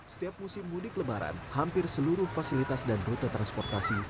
setiap musim mudik lebaran hampir seluruh fasilitas dan rute transportasi